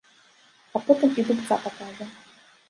А потым і дубца пакажа.